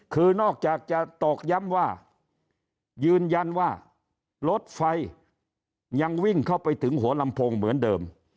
คือนอกจากจะตอกย้ำว่ายืนยันว่ารถไฟยังวิ่งเข้าไปถึงหัวลำโพงเหมือนเดิม